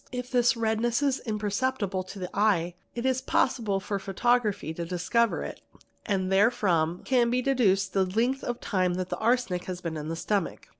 If this redness is imperceptible to the eye it is possible for "photography to discover it, and therefrom can be deduced the length of time the arsenic has been in the stomach.